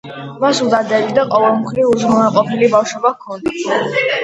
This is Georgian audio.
მას უდარდელი და ყოველმხრივ უზრუნველყოფილი ბავშვობა ჰქონდა.